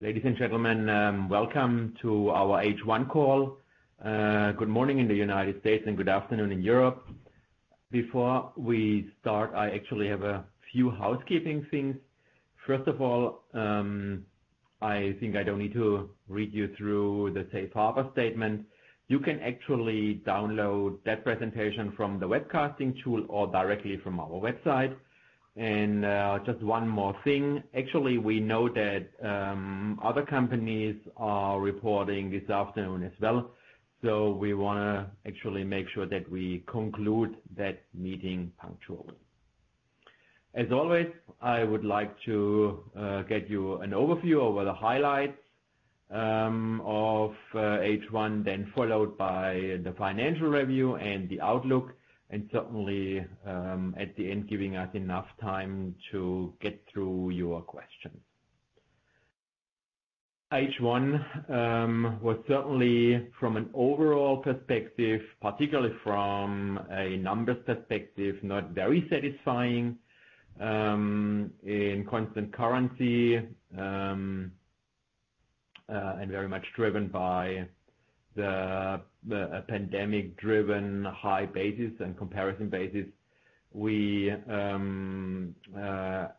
Ladies and gentlemen, welcome to our H1 call. Good morning in the United States, and good afternoon in Europe. Before we start, I actually have a few housekeeping things. First of all, I think I don't need to read you through the safe harbor statement. You can actually download that presentation from the webcasting tool or directly from our website. Just one more thing. Actually, we know that other companies are reporting this afternoon as well, so we wanna actually make sure that we conclude that meeting punctually. As always, I would like to get you an overview over the highlights of H1, then followed by the financial review and the outlook, and certainly, at the end, giving us enough time to get through your questions. H1 was certainly from an overall perspective, particularly from a numbers perspective, not very satisfying, in constant currency, and very much driven by the, the, pandemic-driven high basis and comparison basis. We are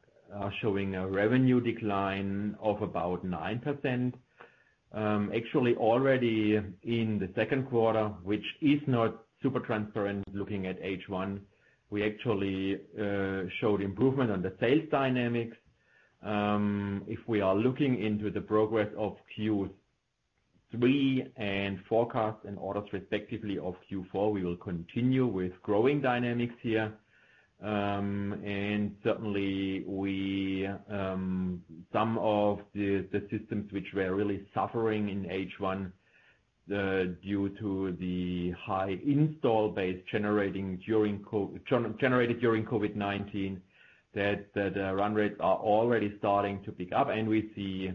showing a revenue decline of about 9%. Actually, already in the second quarter, which is not super transparent, looking at H1, we actually showed improvement on the sales dynamics. If we are looking into the progress of Q3 and forecast and orders, respectively, of Q4, we will continue with growing dynamics here. Certainly we, some of the, the systems which were really suffering in H1, due to the high install base generated during COVID-19, that, that, run rates are already starting to pick up. We see,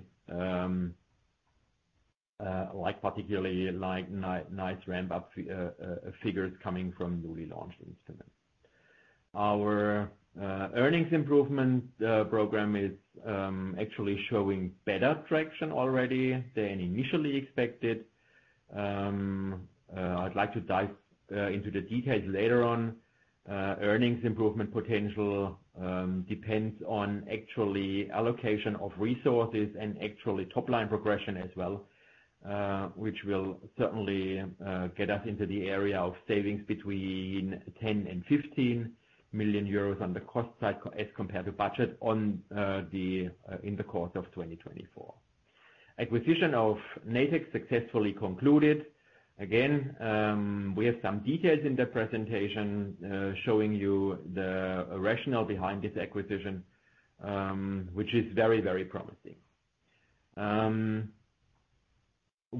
like particularly, nice ramp-up, figures coming from newly launched instruments. Our earnings improvement program is actually showing better traction already than initially expected. I'd like to dive into the details later on. Earnings improvement potential depends on actually allocation of resources and actually top-line progression as well, which will certainly get us into the area of savings between 10 million and 15 million euros on the cost side, as compared to budget on the in the course of 2024. Acquisition of Natech successfully concluded. Again, we have some details in the presentation, showing you the rationale behind this acquisition, which is very, very promising.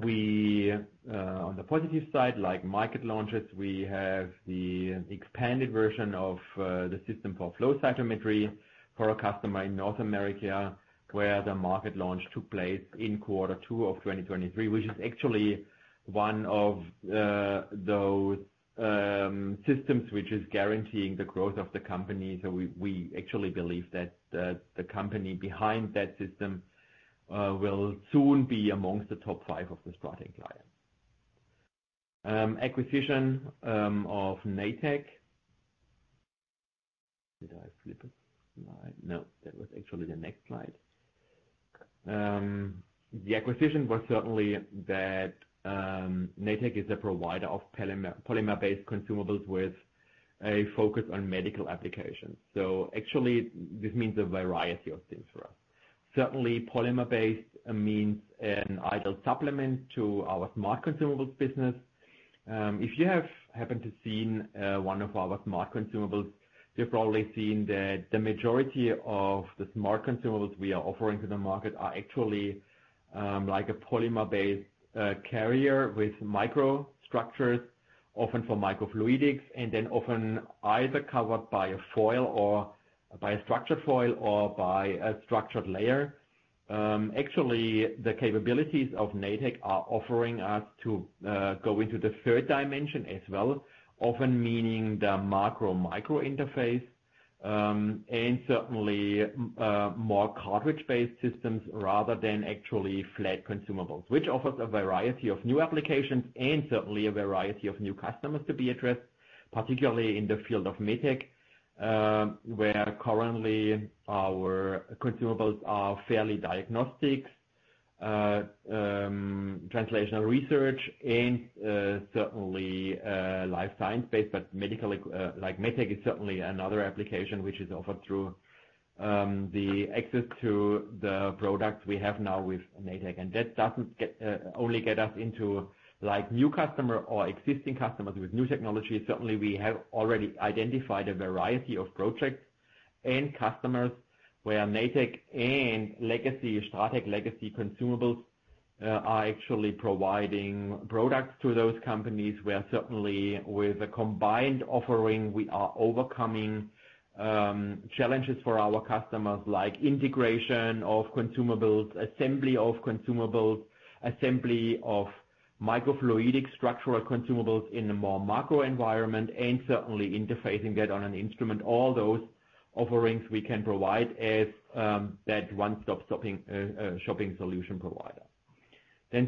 We, on the positive side, like market launches, we have the expanded version of the system for flow cytometry for a customer in North America, where the market launch took place in Q2 of 2023. Which is actually one of those systems which is guaranteeing the growth of the company. We, we actually believe that the, the company behind that system, will soon be amongst the top five of the STRATEC clients. Acquisition of Natech. Did I flip a slide? No, that was actually the next slide. The acquisition was certainly that Natech is a provider of polymer-based consumables with a focus on medical applications. Actually, this means a variety of things for us. Certainly, polymer-based means an ideal supplement to our Smart Consumables business. If you have happened to seen one of our Smart Consumables, you've probably seen that the majority of the Smart Consumables we are offering to the market are actually like a polymer-based carrier with microstructures, often for microfluidics, and then often either covered by a foil or by a structured foil or by a structured layer. Actually, the capabilities of Natech are offering us to go into the third dimension as well, often meaning the macro/micro interface. And certainly, more cartridge-based systems rather than actually flat consumables, which offers a variety of new applications and certainly a variety of new customers to be addressed, particularly in the field of MedTech, where currently our consumables are fairly diagnostics, translational research and certainly life science-based. medical, like MedTech, is certainly another application which is offered through the access to the products we have now with Natech. That doesn't get only get us into, like, new customer or existing customers with new technology. Certainly, we have already identified a variety of projects and customers where Natech and legacy, STRATEC legacy consumables, are actually providing products to those companies, where certainly with a combined offering, we are overcoming challenges for our customers, like integration of consumables, assembly of consumables, assembly of microfluidic structural consumables in a more macro environment, and certainly interfacing that on an instrument. All those offerings we can provide as that one-stop stopping shopping solution provider.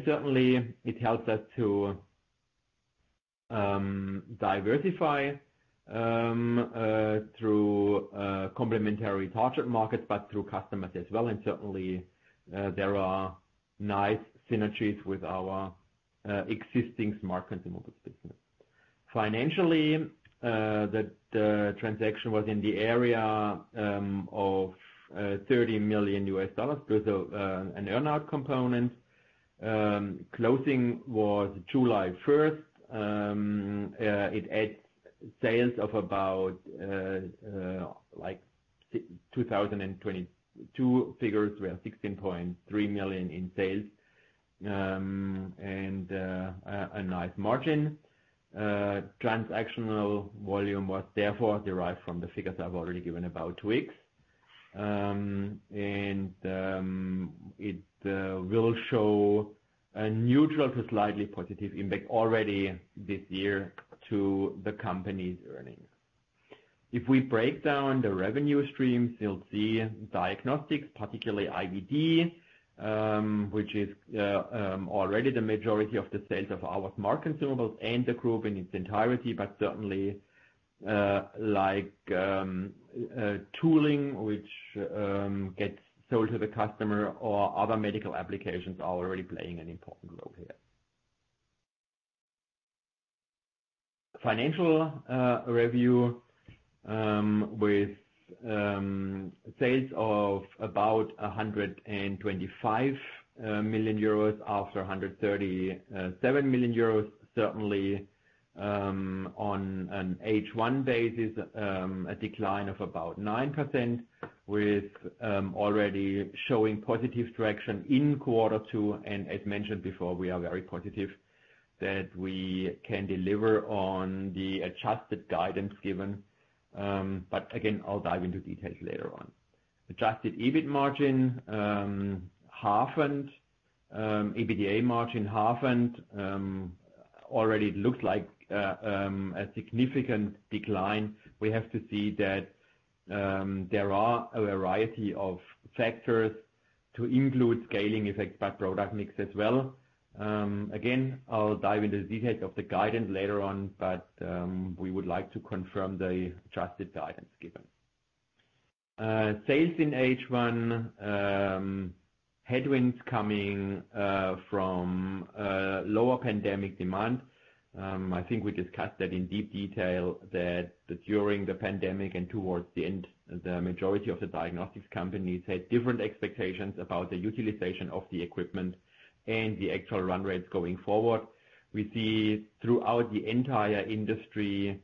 Certainly, it helps us to diversify through complementary target markets, but through customers as well. Certainly, there are nice synergies with our existing Smart Consumables business. Financially, the transaction was in the area of $30 million with an earn-out component. Closing was July 1st. It adds sales of about like 2022 figures, we have $16.3 million in sales, and a nice margin. Transactional volume was therefore derived from the figures I've already given about weeks. It will show a neutral to slightly positive impact already this year to the company's earnings. If we break down the revenue streams, you'll see diagnostics, particularly IVD, which is already the majority of the sales of our market consumables and the group in its entirety, but certainly, like tooling, which gets sold to the customer or other medical applications, are already playing an important role here. Financial review, with sales of about 125 million euros after 137 million euros, certainly on an H1 basis, a decline of about 9% with already showing positive direction in quarter two. As mentioned before, we are very positive that we can deliver on the adjusted guidance given. Again, I'll dive into details later on. Adjusted EBIT margin half and EBITDA margin half and already looks like a significant decline. We have to see that, there are a variety of factors to include scaling effects by product mix as well. Again, I'll dive into the details of the guidance later on, but we would like to confirm the trusted guidance given. Sales in H1, headwinds coming from lower pandemic demand. I think we discussed that in deep detail, that during the pandemic and towards the end, the majority of the diagnostics companies had different expectations about the utilization of the equipment and the actual run rates going forward. We see throughout the entire industry,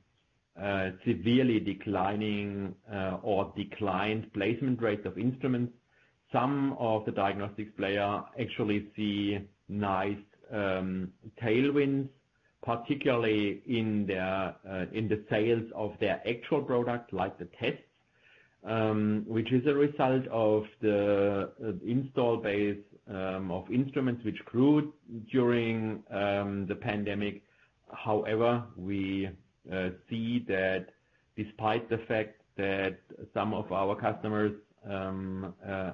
severely declining, or declined placement rates of instruments. Some of the diagnostics player actually see nice tailwinds, particularly in the sales of their actual product, like the tests, which is a result of the install base of instruments which grew during the pandemic. However, we see that despite the fact that some of our customers are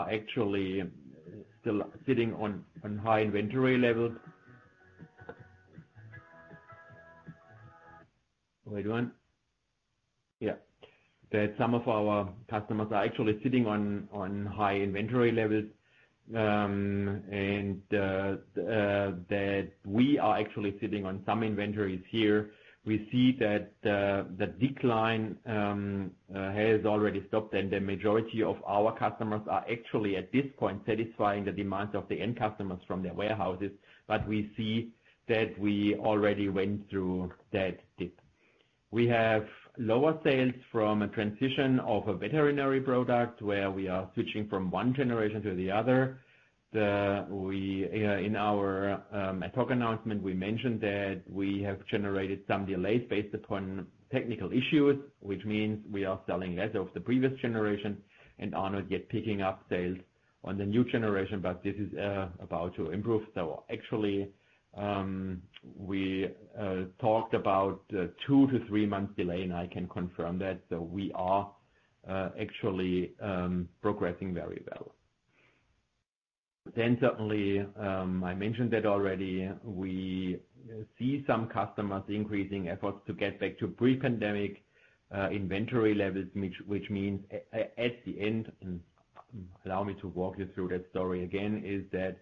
actually still sitting on high inventory levels. Wait, one. Yeah. That some of our customers are actually sitting on high inventory levels, and that we are actually sitting on some inventories here. We see that the decline has already stopped, and the majority of our customers are actually, at this point, satisfying the demands of the end customers from their warehouses. We see that we already went through that dip. We have lower sales from a transition of a veterinary product, where we are switching from one generation to the other. We in our ad hoc announcement, we mentioned that we have generated some delays based upon technical issues, which means we are selling less of the previous generation and are not yet picking up sales on the new generation, but this is about to improve. Actually, we talked about 2-3 months delay, and I can confirm that. We are actually progressing very well. Certainly, I mentioned that already, we see some customers increasing efforts to get back to pre-pandemic inventory levels, which, which means at the end, and allow me to walk you through that story again, is that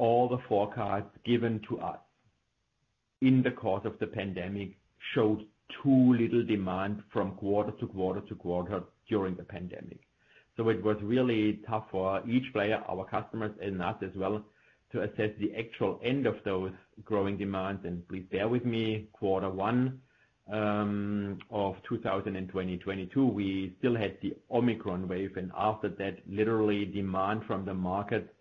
all the forecasts given to us in the course of the pandemic showed too little demand from quarter to quarter to quarter during the pandemic. It was really tough for each player, our customers and us as well, to assess the actual end of those growing demands. Please bear with me, Q1 of 2022, we still had the Omicron wave, and after that, literally demand from the market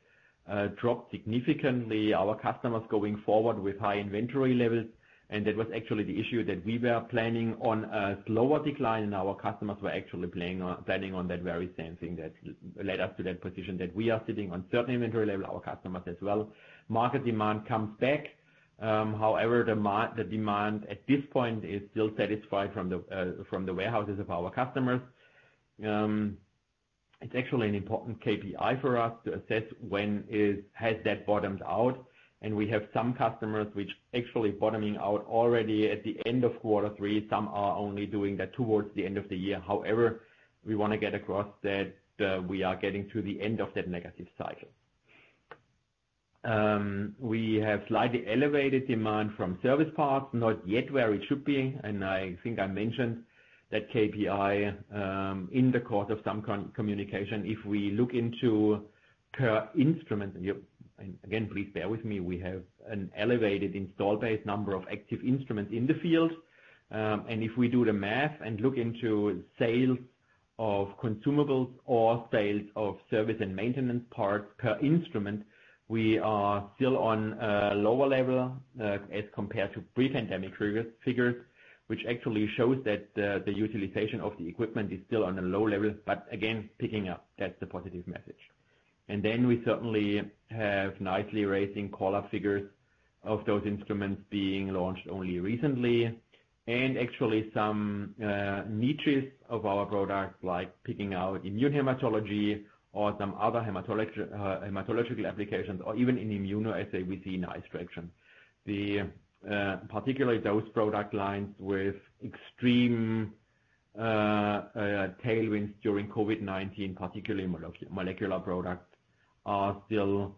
dropped significantly, our customers going forward with high inventory levels. That was actually the issue, that we were planning on a slower decline, and our customers were actually planning on, planning on that very same thing that led us to that position, that we are sitting on certain inventory level, our customers as well. Market demand comes back. However, the mar- the demand at this point is still satisfied from the, from the warehouses of our customers. It's actually an important KPI for us to assess when is, has that bottomed out, and we have some customers which actually bottoming out already at the end of quarter three, some are only doing that towards the end of the year. However, we want to get across that, we are getting to the end of that negative cycle. We have slightly elevated demand from service parts, not yet where it should be, and I think I mentioned that KPI in the course of some communication. If we look into per instrument, and again, please bear with me, we have an elevated install base number of active instruments in the field. If we do the math and look into sales of consumables or sales of service and maintenance parts per instrument, we are still on a lower level as compared to pre-pandemic figures, figures, which actually shows that the utilization of the equipment is still on a low level, but again, picking up, that's the positive message. Then we certainly have nicely raising call-up figures of those instruments being launched only recently, and actually some niches of our products, like picking out immunohematology or some other hematologic, hematological applications, or even in immunoassay, we see nice traction. The particularly those product lines with extreme tailwinds during COVID-19, particularly molecular products, are still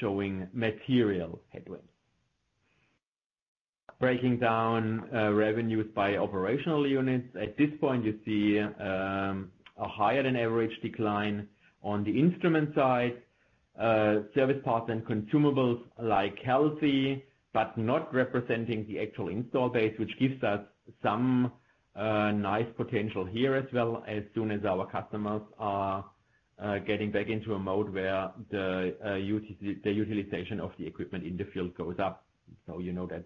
showing material headwinds. Breaking down revenues by operational units. At this point, you see a higher than average decline on the instrument side, service parts and consumables like healthy, but not representing the actual install base, which gives us some nice potential here as well, as soon as our customers are getting back into a mode where the utilization of the equipment in the field goes up. You know that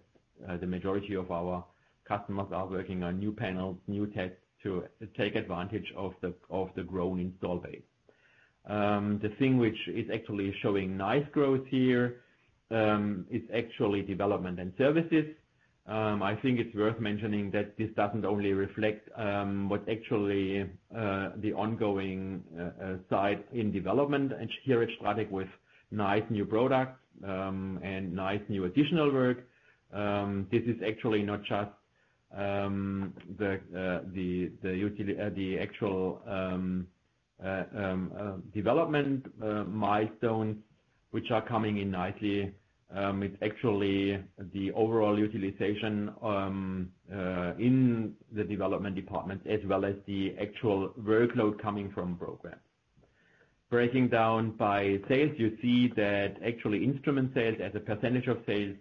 the majority of our customers are working on new panels, new tests, to take advantage of the growing install base. The thing which is actually showing nice growth here is actually development and services. I think it's worth mentioning that this doesn't only reflect what actually the ongoing side in development, and here at STRATEC with nice new products and nice new additional work. This is actually not just the actual development milestones, which are coming in nicely. It's actually the overall utilization in the development department, as well as the actual workload coming from programs. Breaking down by sales, you see that actually, instrument sales as a percentage of sales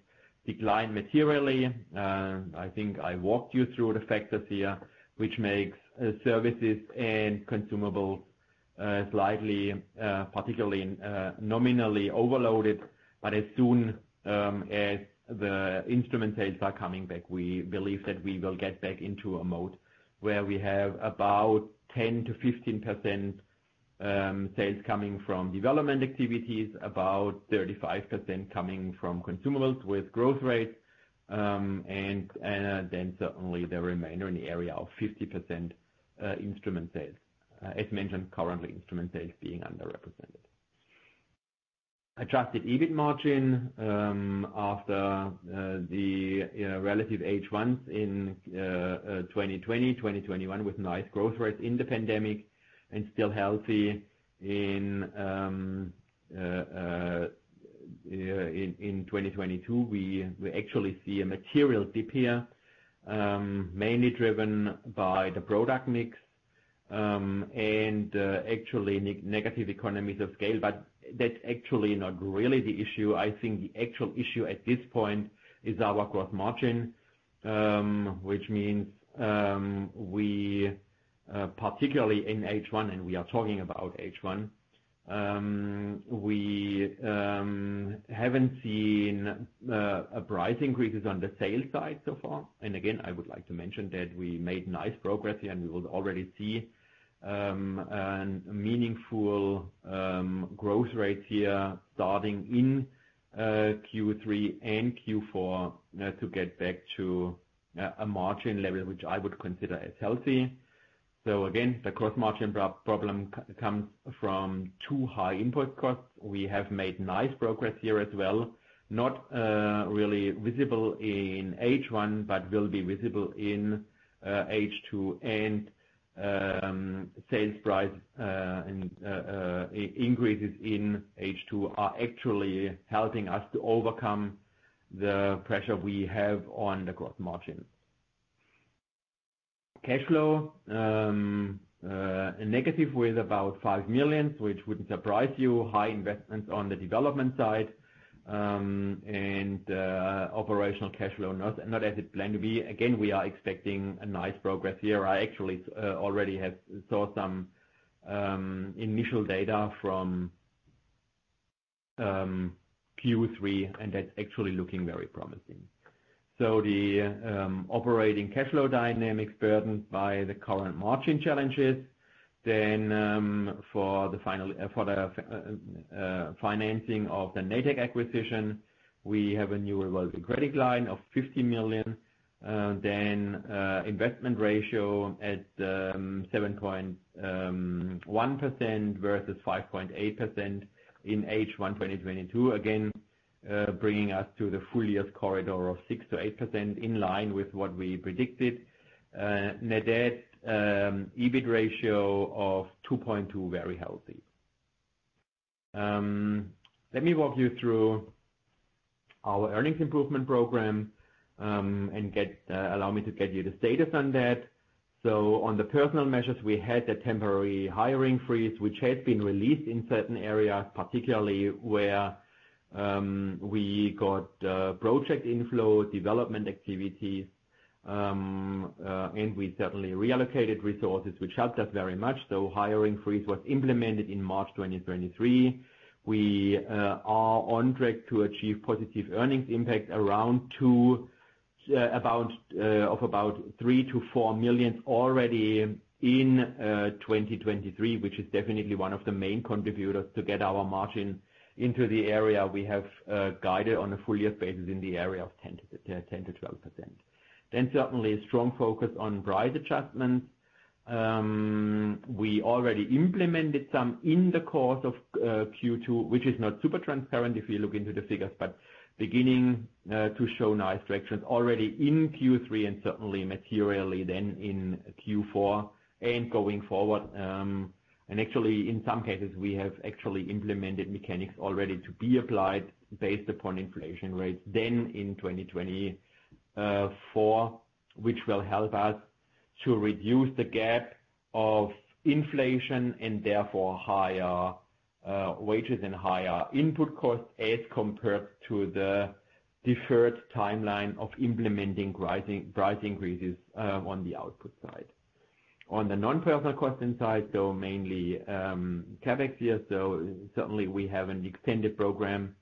declined materially. I think I walked you through the factors here, which makes services and consumables slightly, particularly, nominally overloaded. As soon as the instrument sales are coming back, we believe that we will get back into a mode where we have about 10%-15% sales coming from development activities, about 35% coming from consumables with growth rates, and then certainly the remainder in the area of 50% instrument sales. As mentioned, currently, instrument sales being underrepresented. Adjusted EBIT margin, after the relative H1s in 2020, 2021 with nice growth rates in the pandemic and still healthy in 2022, we actually see a material dip here, mainly driven by the product mix and actually negative economies of scale. That's actually not really the issue. I think the actual issue at this point is our gross margin, which means we particularly in H1, and we are talking about H1, we haven't seen a price increases on the sales side so far. Again, I would like to mention that we made nice progress, and we will already see meaningful growth rates here starting in Q3 and Q4 to get back to a margin level, which I would consider as healthy. Again, the gross margin problem comes from 2 high input costs. We have made nice progress here as well. Not really visible in H1, but will be visible in H2. Sales price increases in H2 are actually helping us to overcome the pressure we have on the gross margin. Cash flow negative with about 5 million, which wouldn't surprise you. High investments on the development side, and operational cash flow, not as it planned to be. Again, we are expecting a nice progress here. I actually already have saw some initial data from Q3, and that's actually looking very promising. The operating cash flow dynamics burdened by the current margin challenges. For the final financing of the Natech acquisition, we have a new revolving credit line of 50 million. Investment ratio at 7.1% versus 5.8% in H1 2022. Again, bringing us to the full year corridor of 6%-8%, in line with what we predicted. Net debt, EBIT ratio of 2.2, very healthy. Let me walk you through our earnings improvement program, allow me to get you the status on that. On the personal measures, we had a temporary hiring freeze, which has been released in certain areas, particularly where we got project inflow, development activities, and we certainly reallocated resources, which helped us very much. Hiring freeze was implemented in March 2023. We are on track to achieve positive earnings impact around two, of about 3 million-4 million already in 2023, which is definitely one of the main contributors to get our margin into the area we have guided on a full year basis in the area of 10%-12%. Certainly a strong focus on price adjustments. We already implemented some in the course of Q2, which is not super transparent if you look into the figures, but beginning to show nice directions already in Q3 and certainly materially then in Q4 and going forward. And actually, in some cases, we have actually implemented mechanics already to be applied based upon inflation rates then in 2024, which will help us to reduce the gap of inflation and therefore higher wages and higher input costs as compared to the deferred timeline of implementing rising- price increases on the output side. On the non-personal costing side, so mainly CapEx here, so certainly we have an extended program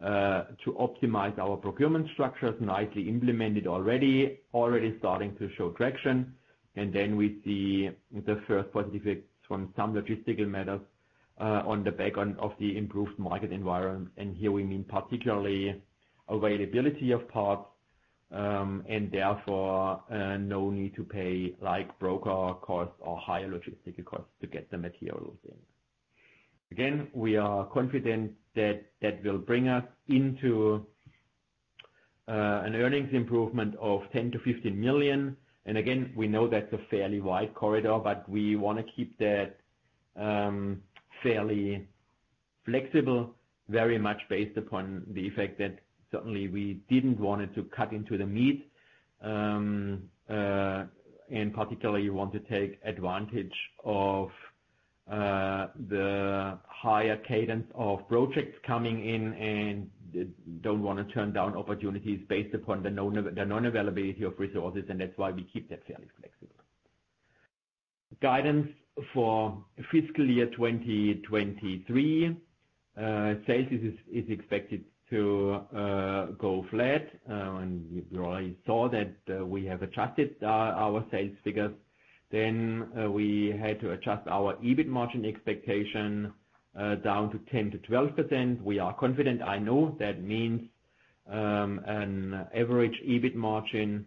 to optimize our procurement structures, nicely implemented already, already starting to show traction. Then we see the first positive effects from some logistical matters on the back on, of the improved market environment. Here we mean particularly availability of parts, and therefore, no need to pay, like, broker costs or higher logistical costs to get the materials in. Again, we are confident that that will bring us into an earnings improvement of 10 million-15 million. Again, we know that's a fairly wide corridor, but we want to keep that fairly flexible, very much based upon the effect that certainly we didn't want it to cut into the meat. Particularly, want to take advantage of the higher cadence of projects coming in and don't want to turn down opportunities based upon the non-availability of resources, and that's why we keep that fairly flexible. Guidance for fiscal year 2023 sales is expected to go flat, and you already saw that we have adjusted our sales figures. We had to adjust our EBIT margin expectation down to 10%-12%. We are confident. I know that means an average EBIT margin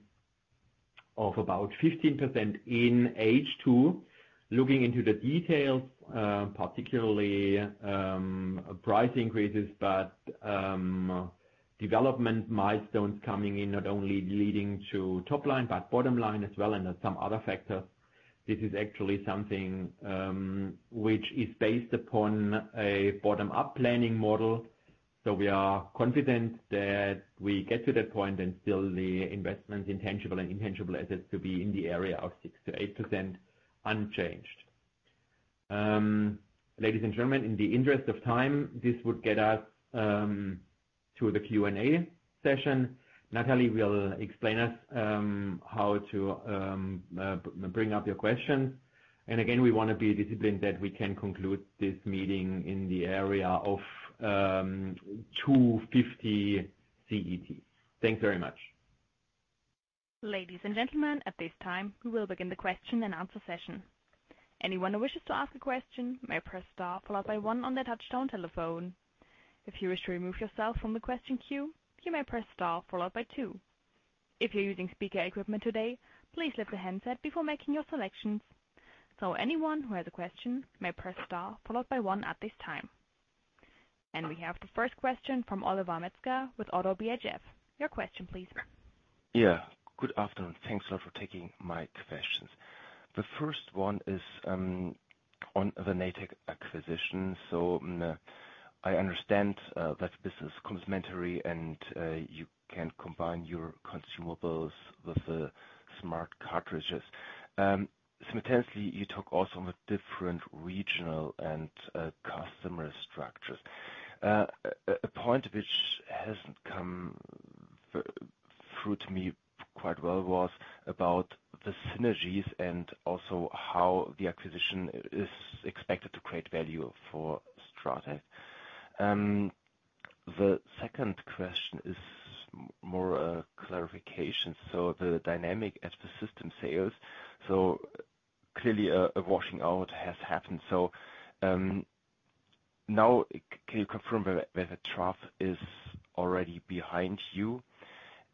of about 15% in H2. Looking into the details, particularly, price increases, but development milestones coming in, not only leading to top line, but bottom line as well, and there's some other factors. This is actually something which is based upon a bottom-up planning model. We are confident that we get to that point, and still the investment in tangible and intangible assets to be in the area of 6%-8% unchanged. Ladies and gentlemen, in the interest of time, this would get us to the Q&A session. [Natalie] will explain us how to bring up your questions. Again, we want to be disciplined that we can conclude this meeting in the area of 2:50 P.M. CET. Thanks very much. Ladies and gentlemen, at this time, we will begin the question and answer session. Anyone who wishes to ask a question may press star, followed by one on their touch-tone telephone. If you wish to remove yourself from the question queue, you may press star, followed by two. If you're using speaker equipment today, please lift the handset before making your selections. Anyone who has a question may press star, followed by one at this time. We have the first question from Oliver Metzger with Oddo BHF. Your question, please. Yeah, good afternoon. Thanks a lot for taking my questions. The first one is on the Natech acquisition. I understand that business comes commentary and you can combine your consumables with the smart cartridges. Simultaneously, you talk also about different regional and customer structures. A point which hasn't come through to me quite well was about the synergies and also how the acquisition is expected to create value for STRATEC. The second question is more clarification. The dynamic at the system sales, so clearly, a washing out has happened. Now can you confirm whether trough is already behind you?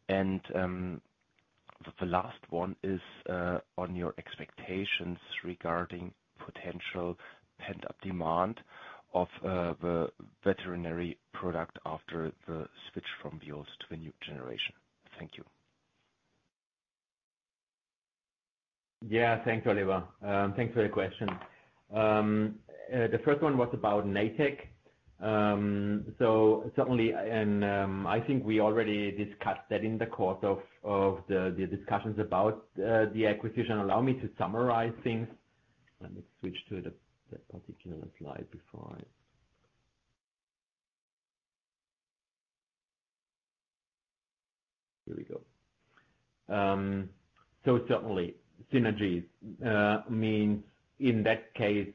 The last one is on your expectations regarding potential pent-up demand of the veterinary product after the switch from Vios to the new generation. Thank you. Yeah. Thanks, Oliver. Thanks for the question. The first one was about Natech. Certainly, and, I think we already discussed that in the course of the discussions about the acquisition. Allow me to summarize things. Let me switch to the particular slide before. Here we go. Certainly synergies means in that case,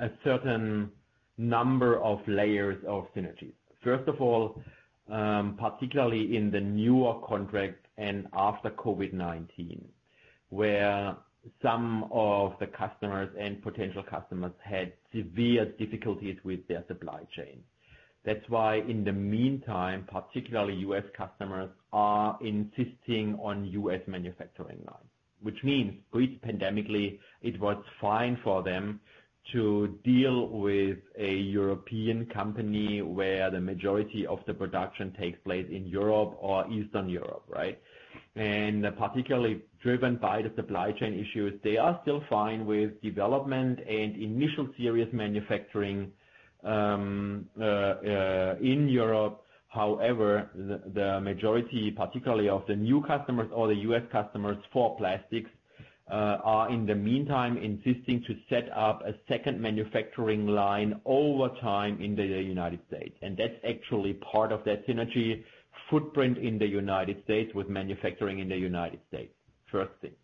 a certain number of layers of synergies. First of all, particularly in the newer contract and after COVID-19, where some of the customers and potential customers had severe difficulties with their supply chain. That's why, in the meantime, particularly U.S. customers are insisting on U.S. manufacturing line, which means pre-pandemically, it was fine for them to deal with a European company, where the majority of the production takes place in Europe or Eastern Europe, right? Particularly driven by the supply chain issues, they are still fine with development and initial serious manufacturing in Europe. However, the majority, particularly of the new customers or the US customers for plastics, are, in the meantime, insisting to set up a 2nd manufacturing line over time in the United States. That's actually part of that synergy footprint in the United States, with manufacturing in the United States. 1st thing.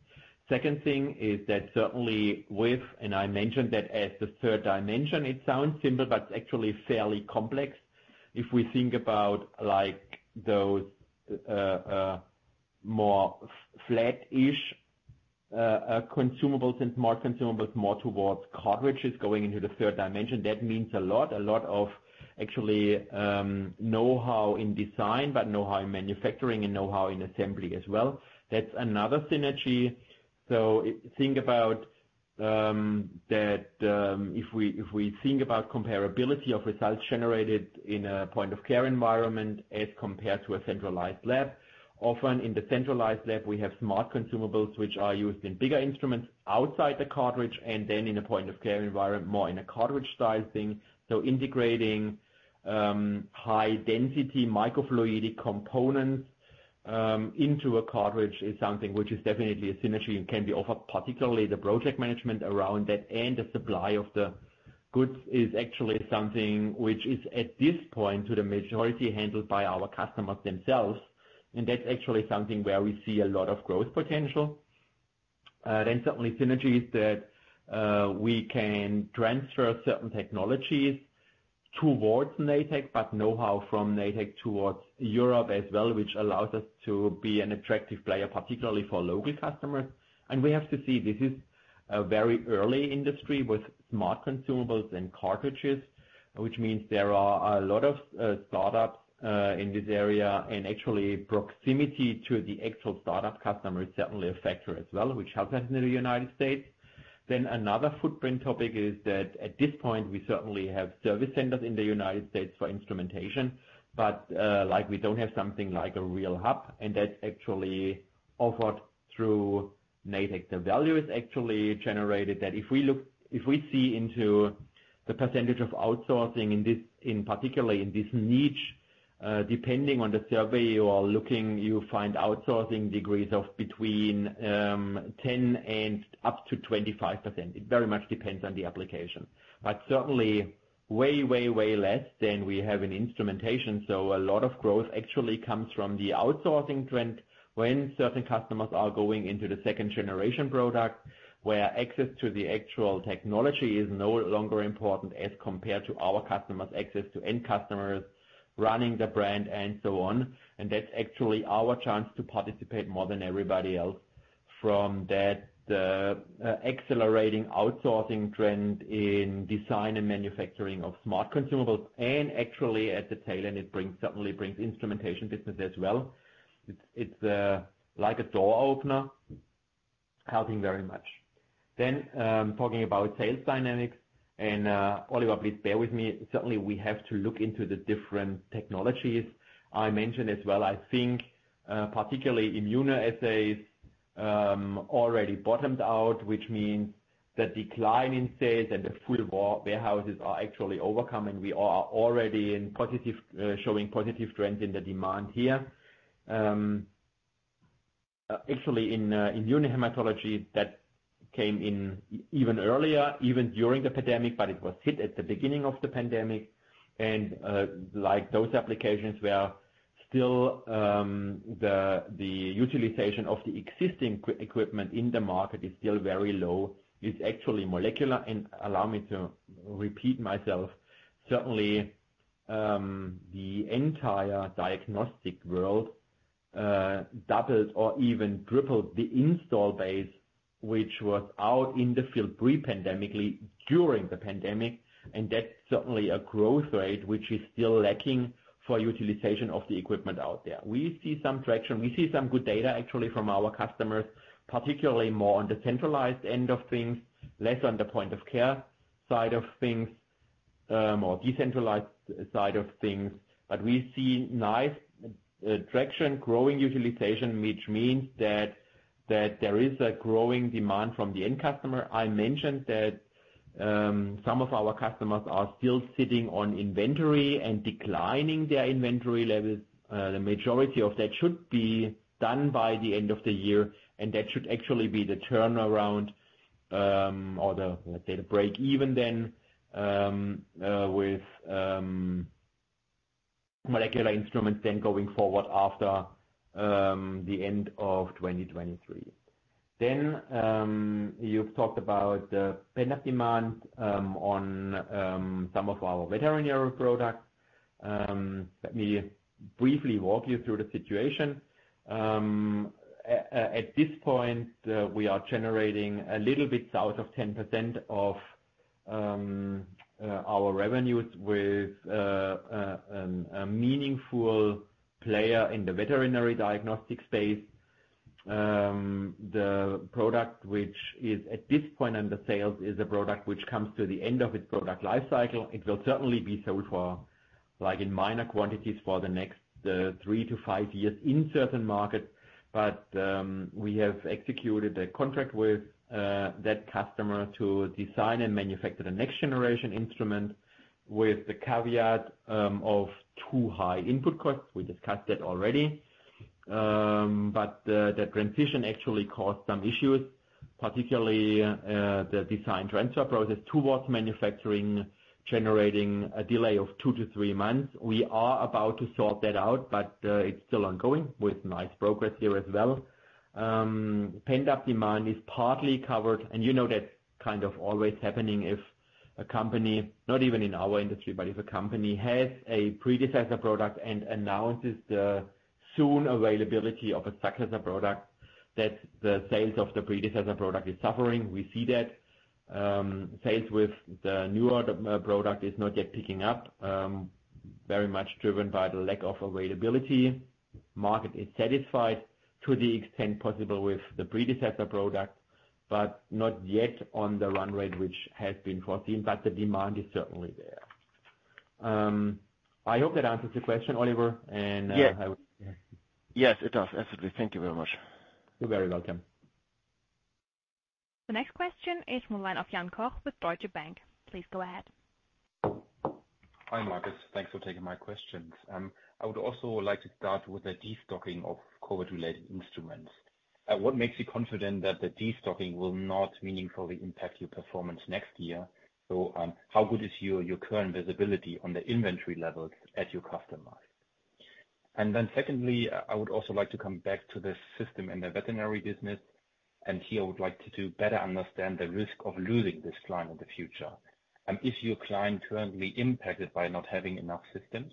2nd thing is that certainly with, and I mentioned that as the 3rd dimension, it sounds simple, but actually fairly complex. If we think about, like, those more flat-ish consumables and more consumables, more towards cartridges going into the 3rd dimension, that means a lot of actually know-how in design, but know-how in manufacturing and know-how in assembly as well. That's another synergy. Think about that, if we, if we think about comparability of results generated in a point-of-care environment as compared to a centralized lab. Often in the centralized lab, we have smart consumables, which are used in bigger instruments outside the cartridge, and then in a point-of-care environment, more in a cartridge-sized thing. Integrating high density microfluidic components into a cartridge is something which is definitely a synergy and can be offered, particularly the project management around that. The supply of the goods is actually something which is, at this point, to the majority, handled by our customers themselves. That's actually something where we see a lot of growth potential. Certainly synergies that we can transfer certain technologies towards Natech, but know-how from Natech towards Europe as well, which allows us to be an attractive player, particularly for local customers. We have to see, this is a very early industry with Smart Consumables and cartridges, which means there are a lot of startups in this area. Actually, proximity to the actual startup customer is certainly a factor as well, which helps us in the United States. Another footprint topic is that at this point, we certainly have service centers in the United States for instrumentation, but we don't have something like a real hub, and that's actually offered through Natech. The value is actually generated, that if we see into the percentage of outsourcing in this, in particularly in this niche, depending on the survey you are looking, you find outsourcing degrees of between, 10 and up to 25%. It very much depends on the application, but certainly way, way, way less than we have in instrumentation. A lot of growth actually comes from the outsourcing trend when certain customers are going into the second generation product, where access to the actual technology is no longer important as compared to our customers' access to end customers running the brand and so on. That's actually our chance to participate more than everybody else. From that, accelerating outsourcing trend in design and manufacturing of Smart Consumables, and actually at the tail end, it brings, certainly brings instrumentation business as well. It's, it's like a door opener, helping very much. Then, talking about sales dynamics, and Oliver, please bear with me. Certainly, we have to look into the different technologies I mentioned as well. I think, particularly immunoassay, already bottomed out, which means the decline in sales and the full wa- warehouses are actually overcoming. We are already in positive showing positive trends in the demand here. Actually, in immunohematology, that came in e- even earlier, even during the pandemic, but it was hit at the beginning of the pandemic. Like those applications, we are-... still, the utilization of the existing eq-equipment in the market is still very low. It's actually molecular, and allow me to repeat myself. Certainly, the entire diagnostic world doubled or even tripled the install base, which was out in the field pre-pandemically, during the pandemic. That's certainly a growth rate which is still lacking for utilization of the equipment out there. We see some traction. We see some good data actually from our customers, particularly more on the centralized end of things, less on the point of care side of things, or decentralized side of things. We see nice traction, growing utilization, which means that, that there is a growing demand from the end customer. I mentioned that some of our customers are still sitting on inventory and declining their inventory levels. The majority of that should be done by the end of the year, and that should actually be the turnaround, or the, the break even then, with molecular instruments then going forward after the end of 2023. You've talked about the pent-up demand on some of our veterinary products. Let me briefly walk you through the situation. At this point, we are generating a little bit south of 10% of our revenues with a meaningful player in the veterinary diagnostic space. The product, which is at this point under sales, is a product which comes to the end of its product life cycle. It will certainly be sold for, like, in minor quantities for the next three-five years in certain markets. We have executed a contract with that customer to design and manufacture the next generation instrument, with the caveat of too high input costs. We discussed that already. The transition actually caused some issues, particularly the design transfer process towards manufacturing, generating a delay of two-three months. We are about to sort that out, it's still ongoing with nice progress here as well. Pent-up demand is partly covered, and you know that kind of always happening if a company, not even in our industry, but if a company has a predecessor product and announces the soon availability of a successor product, that the sales of the predecessor product is suffering. We see that sales with the newer product is not yet picking up, very much driven by the lack of availability. Market is satisfied to the extent possible with the predecessor product, but not yet on the run rate, which has been foreseen, but the demand is certainly there. I hope that answers the question, Oliver. Yes. Yes, it does, absolutely. Thank you very much. You're very welcome. The next question is from the line of Jan Koch with Deutsche Bank. Please go ahead. Hi, Marcus. Thanks for taking my questions. I would also like to start with the destocking of COVID-related instruments. What makes you confident that the destocking will not meaningfully impact your performance next year? How good is your, your current visibility on the inventory levels at your customer? Secondly, I would also like to come back to the system in the veterinary business, and here I would like to better understand the risk of losing this client in the future. Is your client currently impacted by not having enough systems?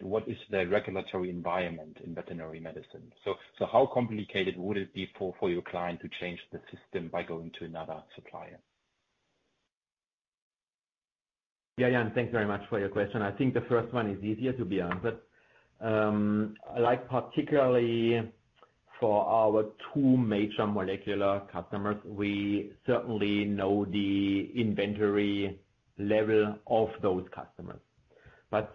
What is the regulatory environment in veterinary medicine? How complicated would it be for, for your client to change the system by going to another supplier? Yeah, Jan, thank you very much for your question. I think the first one is easier to be answered. Like, particularly for our two major molecular customers, we certainly know the inventory level of those customers.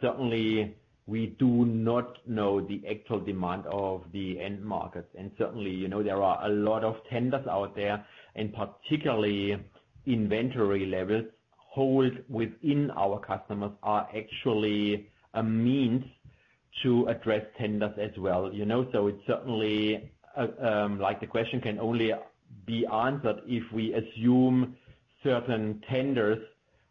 Certainly, we do not know the actual demand of the end markets. Certainly, you know, there are a lot of tenders out there, and particularly inventory levels held within our customers are actually a means to address tenders as well, you know? It's certainly, like, the question can only be answered if we assume certain tenders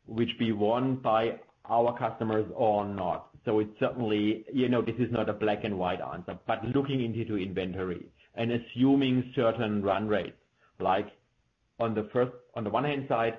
which be won by our customers or not. It's certainly, you know, this is not a black and white answer. Looking into inventory and assuming certain run rates, on the one hand side,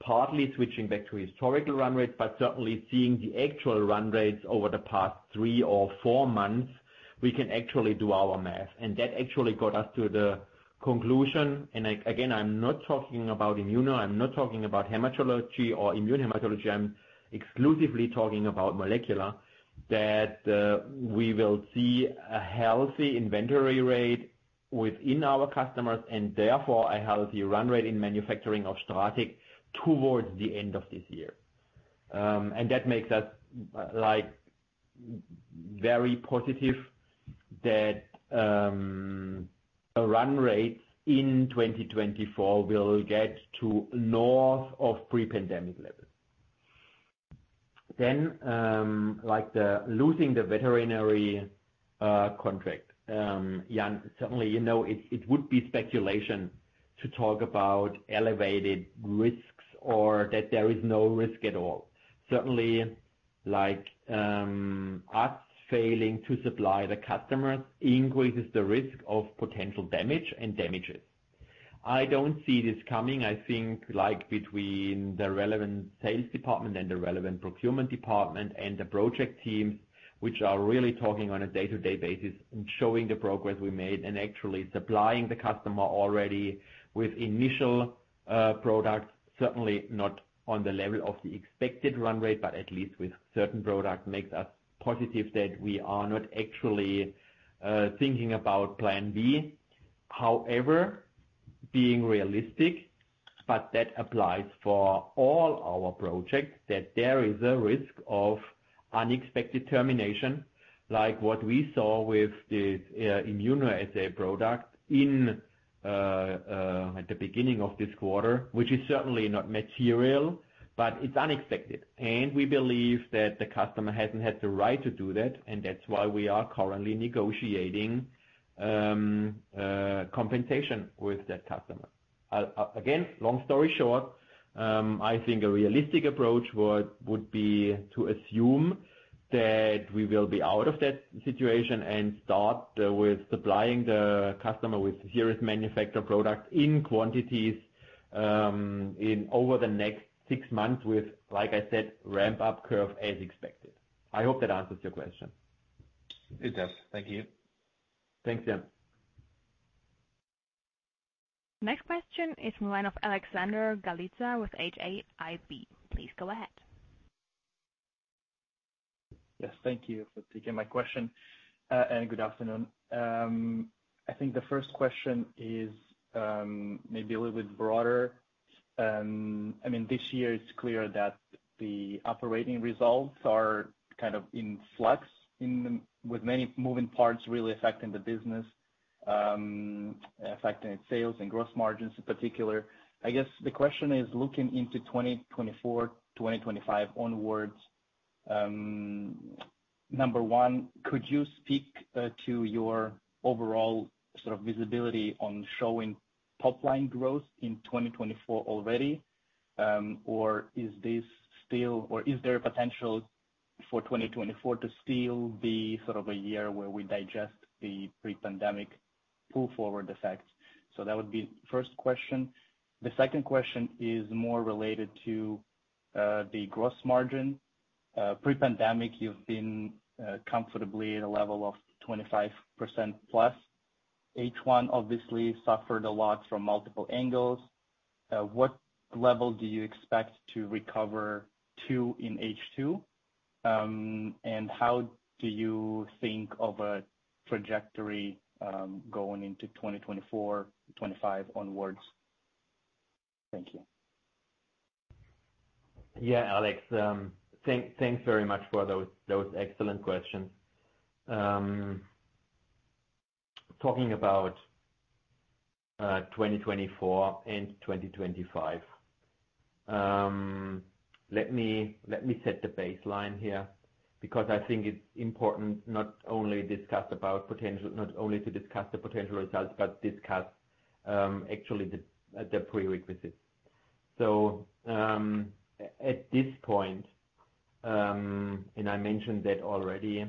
partly switching back to historical run rates, but certainly seeing the actual run rates over the past three or four months, we can actually do our math. That actually got us to the conclusion, again, I'm not talking about immuno, I'm not talking about hematology or immunohematology. I'm exclusively talking about molecular, that we will see a healthy inventory rate within our customers, and therefore a healthy run rate in manufacturing of STRATEC towards the end of this year. That makes us very positive that our run rates in 2024 will get to north of pre-pandemic levels. The losing the veterinary contract. Jan, certainly, you know, it, it would be speculation to talk about elevated risks or that there is no risk at all. Certainly, like, us failing to supply the customers increases the risk of potential damage and damages. I don't see this coming. I think, like, between the relevant sales department and the relevant procurement department and the project teams, which are really talking on a day-to-day basis and showing the progress we made, and actually supplying the customer already with initial products, certainly not on the level of the expected run rate, but at least with certain products, makes us positive that we are not actually thinking about plan B. However, being realistic, but that applies for all our projects, that there is a risk of unexpected termination, like what we saw with the immunoassay product in at the beginning of this quarter, which is certainly not material, but it's unexpected. We believe that the customer hasn't had the right to do that, and that's why we are currently negotiating compensation with that customer. Again, long story short, I think a realistic approach would be to assume that we will be out of that situation and start with supplying the customer with serious manufacturer products in quantities in over the next six months, with, like I said, ramp-up curve as expected. I hope that answers your question. It does. Thank you. Thanks, Jan. Next question is the line of Alexander Galitsa with HAIB. Please go ahead. Yes, thank you for taking my question, and good afternoon. I think the first question is, maybe a little bit broader. I mean, this year it's clear that the operating results are kind of in flux, with many moving parts really affecting the business, affecting its sales and gross margins in particular. I guess the question is, looking into 2024, 2025 onwards, number one, could you speak to your overall sort of visibility on showing top line growth in 2024 already? Or is there a potential for 2024 to still be sort of a year where we digest the pre-pandemic pull forward effects? That would be first question. The second question is more related to the gross margin. Pre-pandemic, you've been comfortably at a level of 25% plus. H1 obviously suffered a lot from multiple angles. What level do you expect to recover to in H2? How do you think of a trajectory going into 2024, 2025 onwards? Thank you. Yeah, Alex, thank, thanks very much for those, those excellent questions. Talking about 2024 and 2025. Let me, let me set the baseline here, because I think it's important not only discuss about potential not only to discuss the potential results, but discuss actually the prerequisites. At this point, and I mentioned that already,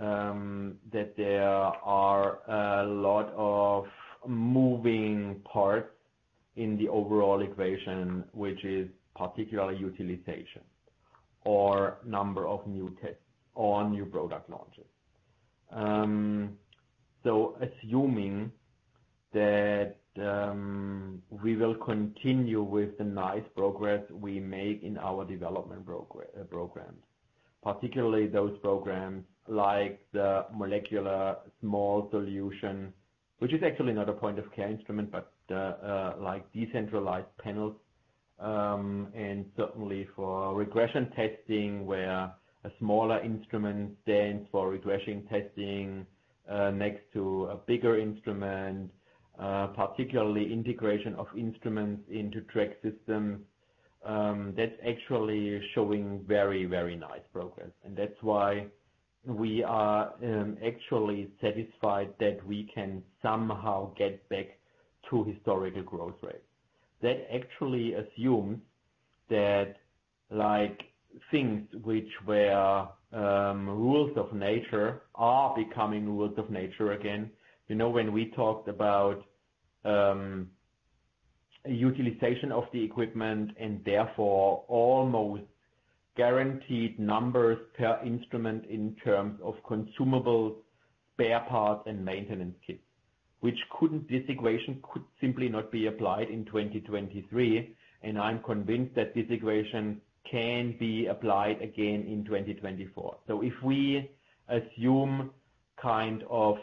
that there are a lot of moving parts in the overall equation, which is particularly utilization or number of new tests or new product launches. Assuming that, we will continue with the nice progress we make in our development programs, particularly those programs like the molecular small solution, which is actually not a point-of-care instrument, but, like decentralized panels. Certainly for veterinary testing, where a smaller instrument stands for veterinary testing, next to a bigger instrument, particularly integration of instruments into track system, that's actually showing very, very nice progress. That's why we are actually satisfied that we can somehow get back to historical growth rates. Actually assumes that, like, things which were rules of nature are becoming rules of nature again. You know, when we talked about utilization of the equipment and therefore almost guaranteed numbers per instrument in terms of consumable spare parts and maintenance kits, this equation could simply not be applied in 2023, and I'm convinced that this equation can be applied again in 2024. If we assume kind of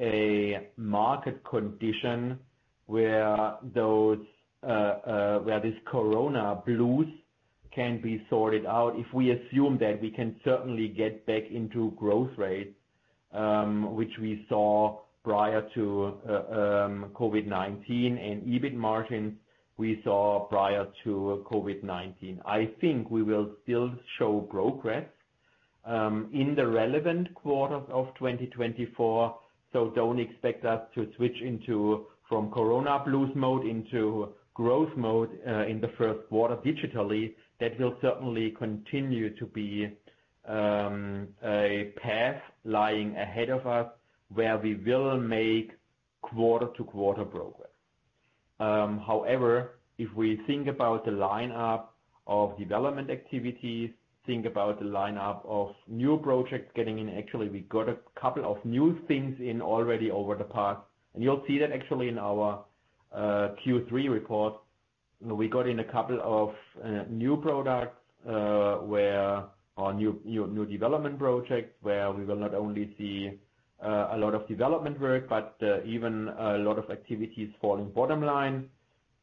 a market condition where those where this corona blues can be sorted out, if we assume that, we can certainly get back into growth rates, which we saw prior to COVID-19, and EBIT margins we saw prior to COVID-19. I think we will still show progress-... in the relevant quarters of 2024, so don't expect us to switch into, from corona blues mode into growth mode, in the first quarter digitally. That will certainly continue to be a path lying ahead of us, where we will make quarter-to-quarter progress. However, if we think about the lineup of development activities, think about the lineup of new projects getting in, actually, we got a couple of new things in already over the past. You'll see that actually in our Q3 report. We got in a couple of new products, or new development projects, where we will not only see a lot of development work, but even a lot of activities falling bottom line.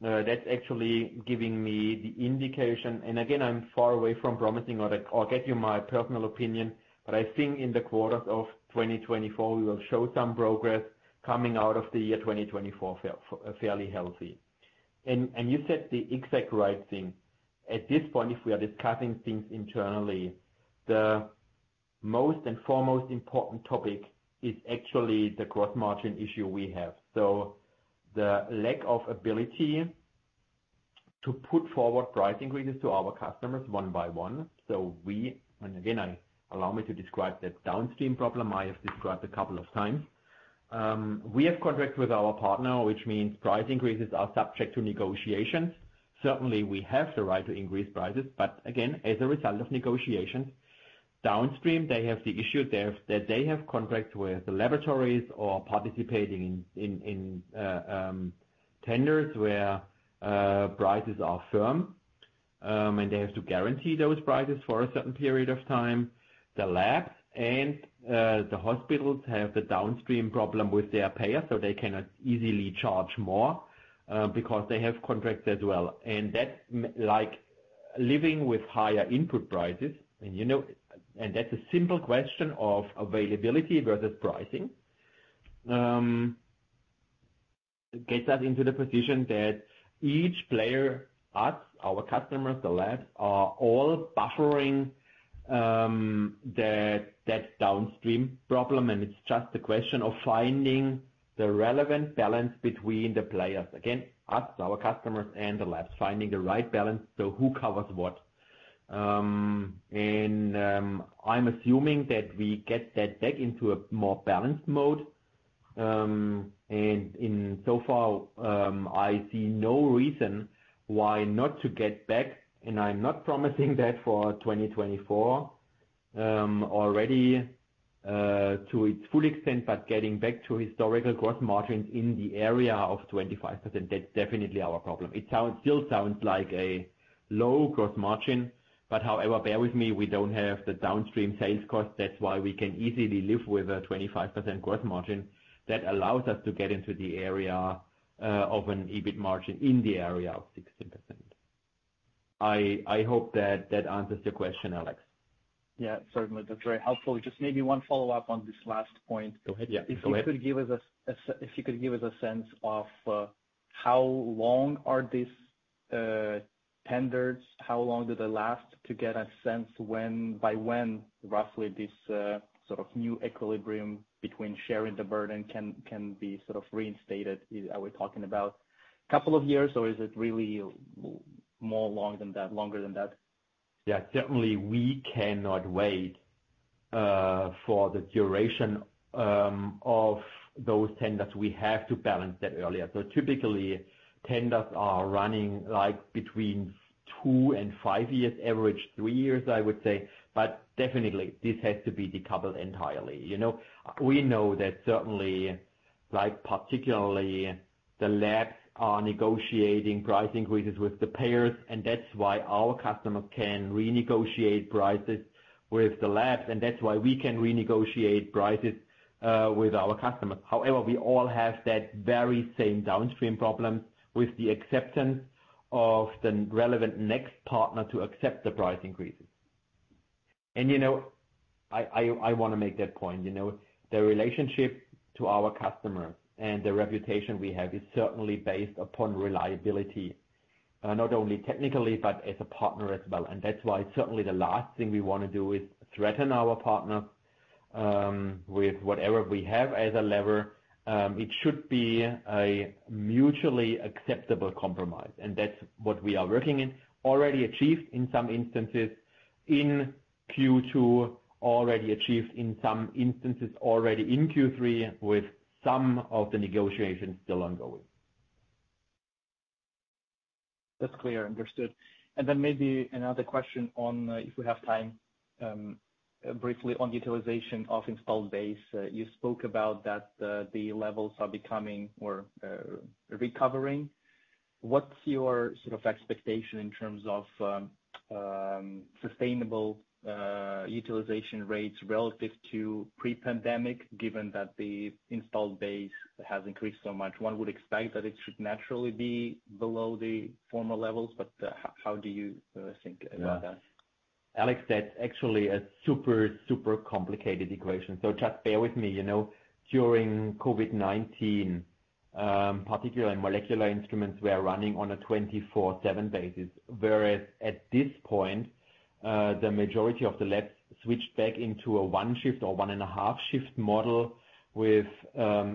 That's actually giving me the indication, and again, I'm far away from promising or I, or get you my personal opinion, but I think in the quarters of 2024, we will show some progress coming out of the year 2024, fairly healthy. You said the exact right thing. At this point, if we are discussing things internally, the most and foremost important topic is actually the gross margin issue we have. The lack of ability to put forward price increases to our customers one by one, and again, allow me to describe that downstream problem I have described a couple of times. We have contract with our partner, which means price increases are subject to negotiations. Certainly, we have the right to increase prices, but again, as a result of negotiations, downstream, they have the issue there that they have contracts with the laboratories or participating in, in, in tenders, where prices are firm, and they have to guarantee those prices for a certain period of time. The labs and the hospitals have the downstream problem with their payer, so they cannot easily charge more because they have contracts as well. That like, living with higher input prices, you know, that's a simple question of availability versus pricing. Gets us into the position that each player, us, our customers, the labs, are all buffering that, that downstream problem, and it's just a question of finding the relevant balance between the players. Again, us, our customers and the labs, finding the right balance, so who covers what? And I'm assuming that we get that back into a more balanced mode. And in so far, I see no reason why not to get back, and I'm not promising that for 2024 already to its full extent, but getting back to historical gross margins in the area of 25%, that's definitely our problem. Still sounds like a low gross margin, but however, bear with me, we don't have the downstream sales cost. That's why we can easily live with a 25% gross margin. That allows us to get into the area of an EBIT margin in the area of 16%. I, I hope that that answers your question, Alex. Yeah, certainly. That's very helpful. Just maybe one follow-up on this last point. Go ahead, yeah. Go ahead. If you could give us a sense of, how long are these, tenders, how long do they last? To get a sense when, by when, roughly, this, sort of new equilibrium between sharing the burden can, can be sort of reinstated. Are we talking about couple of years, or is it really more long than that, longer than that? Yeah, certainly, we cannot wait, for the duration, of those tenders. We have to balance that earlier. Typically, tenders are running like between two and five years, average three years, I would say. But definitely, this has to be decoupled entirely. You know, we know that certainly, like particularly, the labs are negotiating price increases with the payers, and that's why our customers can renegotiate prices with the labs, and that's why we can renegotiate prices, with our customers. However, we all have that very same downstream problem with the acceptance of the relevant next partner to accept the price increases. You know, I, I, I wanna make that point, you know, the relationship to our customers and the reputation we have is certainly based upon reliability, not only technically, but as a partner as well. That's why certainly the last thing we wanna do is threaten our partner with whatever we have as a lever. It should be a mutually acceptable compromise, and that's what we are working in. Already achieved in some instances in Q2, already achieved in some instances already in Q3, with some of the negotiations still ongoing. That's clear. Understood. Then maybe another question on, if we have time, briefly on utilization of installed base. You spoke about that, the levels are becoming or, recovering. What's your sort of expectation in terms of, sustainable, utilization rates relative to pre-pandemic, given that the installed base has increased so much? One would expect that it should naturally be below the former levels, but, how, how do you, think about that? Alex, that's actually a super, super complicated equation, so just bear with me. You know, during COVID-19, particularly in molecular instruments, we are running on a 24/7 basis. Whereas at this point, the majority of the labs switched back into a 1 shift or 1.5 shift model with,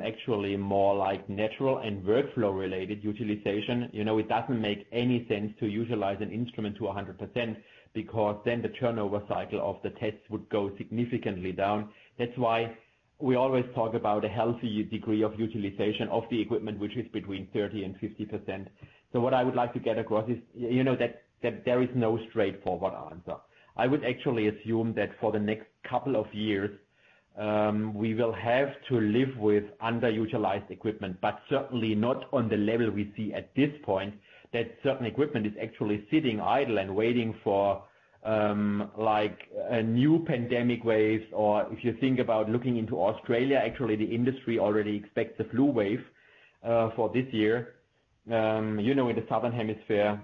actually more like natural and workflow related utilization. You know, it doesn't make any sense to utilize an instrument to a 100%, because then the turnover cycle of the tests would go significantly down. That's why we always talk about a healthy degree of utilization of the equipment, which is between 30% and 50%. What I would like to get across is, you know, that, that there is no straightforward answer. I would actually assume that for the next couple of years, we will have to live with underutilized equipment, but certainly not on the level we see at this point, that certain equipment is actually sitting idle and waiting for, like, a new pandemic wave. Or if you think about looking into Australia, actually, the industry already expects a flu wave for this year. You know, in the southern hemisphere,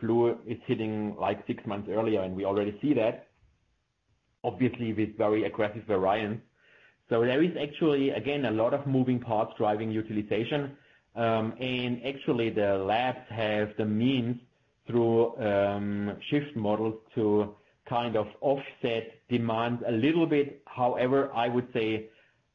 flu is hitting like six months earlier, and we already see that, obviously, with very aggressive variants. So there is actually, again, a lot of moving parts driving utilization. And actually, the labs have the means through shift models to kind of offset demand a little bit. However, I would say,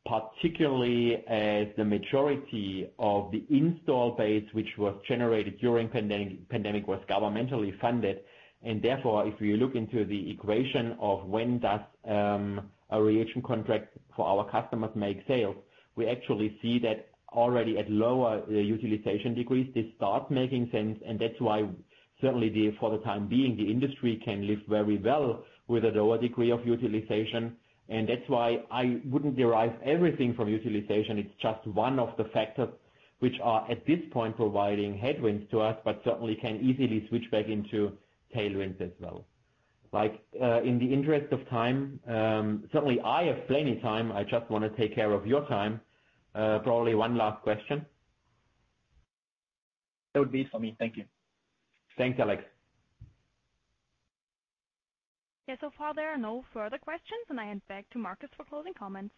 particularly as the majority of the install base, which was generated during pandemic, pandemic, was governmentally funded, and therefore, if we look into the equation of when does a reagent contract for our customers make sales, we actually see that already at lower utilization degrees, they start making sense. That's why certainly the, for the time being, the industry can live very well with a lower degree of utilization. That's why I wouldn't derive everything from utilization. It's just one of the factors which are, at this point, providing headwinds to us, but certainly can easily switch back into tailwinds as well. Like, in the interest of time, certainly I have plenty time. I just want to take care of your time. Probably one last question. That would be it for me. Thank you. Thanks, Alex. Yeah, so far there are no further questions, and I hand back to Marcus for closing comments.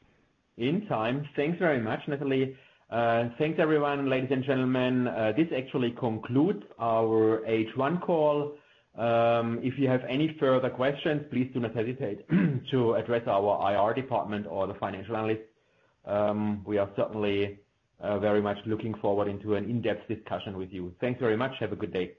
In time. Thanks very much, [Natalie]. Thanks, everyone, ladies and gentlemen, this actually concludes our H1 call. If you have any further questions, please do not hesitate to address our IR department or the financial analyst. We are certainly very much looking forward into an in-depth discussion with you. Thanks very much. Have a good day.